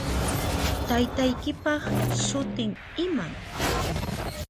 Taytaykipaq sutin iman?